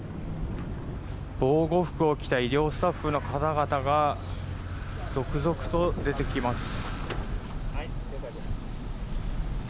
防護服を着た医療スタッフの方々が続々と出てきます。